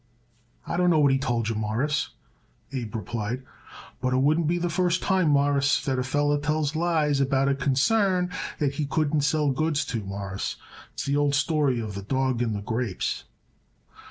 "I don't know what he told you, Mawruss," Abe replied, "but it wouldn't be the first time, Mawruss, that a feller tells lies about a concern that he couldn't sell goods to, Mawruss. It's the old story of the dawg and the grapes."